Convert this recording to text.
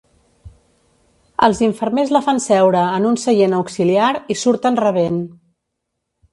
Els infermers la fan seure en un seient auxiliar i surten rabent.